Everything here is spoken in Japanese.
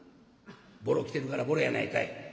「ぼろを着てるからぼろやないかい。